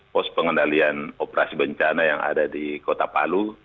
pos pengendalian operasi bencana yang ada di kota palu